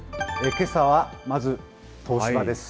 けさはまず、東芝です。